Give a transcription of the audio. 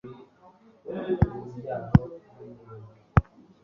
ubusanzwe rwakabaye ruzitira cyangwa se rufungirana ya mahindure,